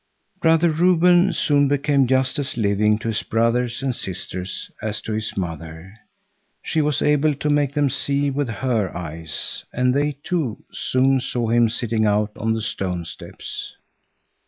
Brother Reuben soon became just as living to his brothers and sisters as to his mother. She was able to make them see with her eyes and they too soon saw him sitting out on the stone steps.